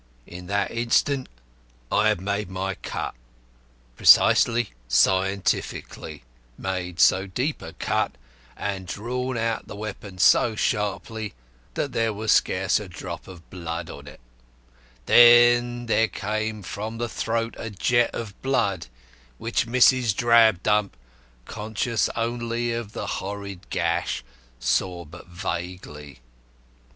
In that instant I had made my cut precisely, scientifically made so deep a cut and drawn out the weapon so sharply that there was scarce a drop of blood on it; then there came from the throat a jet of blood which Mrs. Drabdump, conscious only of the horrid gash, saw but vaguely.